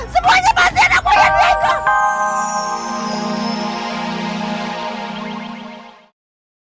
semuanya pasti anak buahnya diego